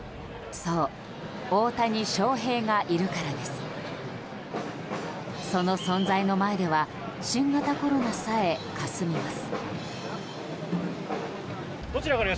その存在の前では新型コロナさえ、かすみます。